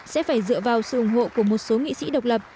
sẽ phải dựa vào sự ủng hộ của một số nghị sĩ độc lập